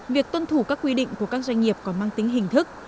việc tuân thủ các quy định của các doanh nghiệp còn mang tính hình thức